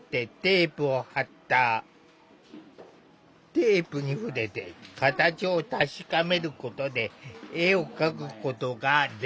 テープに触れて形を確かめることで絵を描くことができる。